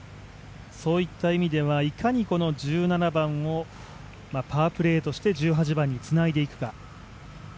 そういった意味ではいかに１７番をパープレーとして１８番につないでいくか。